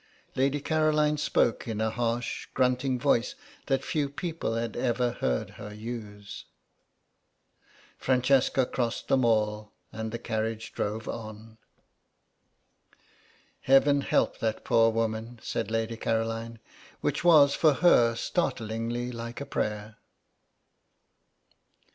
Lady Caroline spoke in a harsh, grunting voice that few people had ever heard her use. Francesca crossed the Mall and the carriage drove on. "Heaven help that poor woman," said Lady Caroline; which was, for her, startlingly like a prayer.